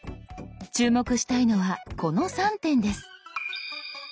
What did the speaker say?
注目したいのはこの３点です。